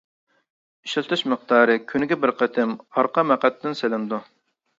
ئىشلىتىش مىقدارى: كۈنىگە بىر قېتىم ئارقا مەقئەتتىن سېلىنىدۇ.